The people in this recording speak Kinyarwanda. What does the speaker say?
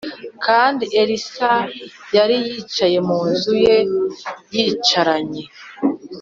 Kandi Elisa Yari Yicaye Mu Nzu Ye Yicaranye